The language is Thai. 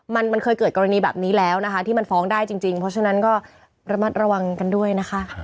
มันเคยเกิดกรณีแบบนี้แล้วนะคะที่มันฟ้องได้จริงเพราะฉะนั้นก็ระมัดระวังกันด้วยนะคะ